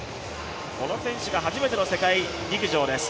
この選手は初めての世界陸上です。